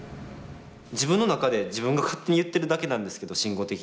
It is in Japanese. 自分の中で自分が勝手に言ってるだけなんですけど慎吾的には。